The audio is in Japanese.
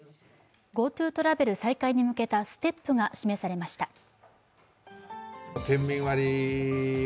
ＧｏＴｏトラベル再開に向けたステップが示されました。